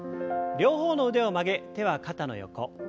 両方の腕を曲げ手は肩の横。